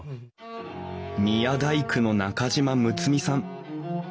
宮大工の中島睦巳さん。